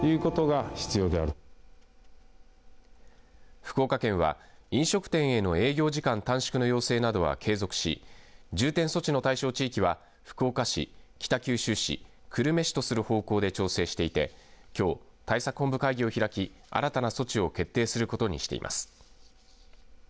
福岡県は飲食店への営業時間短縮の要請などは継続し重点措置の対象地域は福岡市、北九州市久留米市とする方向で調整していてきょう、対策本部会議を開き新たな措置を決定することにしています。